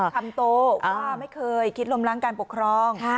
คำโตว่าไม่เคยคิดล้มล้างการปกครอง